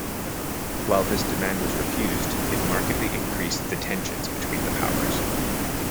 While this demand was refused, it markedly increased the tensions between the powers.